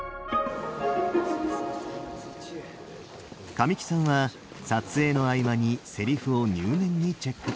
神木さんは撮影の合間にセリフを入念にチェック。